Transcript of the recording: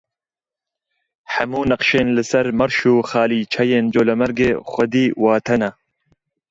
Hemû neqşên li ser merş û xalîçeyên Colemêrgê xwedî wate ne.